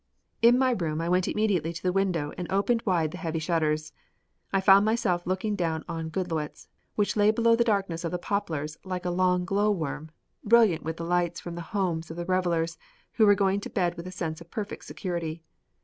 In my room I went immediately to the window and opened wide the heavy shutters. I found myself looking down on Goodloets, which lay below the darkness of the Poplars like a long glowworm, brilliant with the lights from the homes of the revelers who were going to bed with a sense of perfect security.